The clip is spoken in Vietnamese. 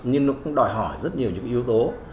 nhưng nó cũng đòi hỏi rất nhiều những yếu tố